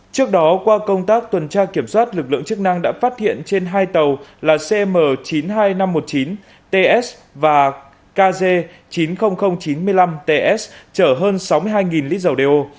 trước đó qua công tác tuần tra kiểm soát lực lượng chức năng đã phát hiện trên hai tàu là cm chín mươi hai nghìn năm trăm một mươi chín ts và kg chín mươi nghìn chín mươi năm ts chở hơn sáu mươi hai lít dầu đeo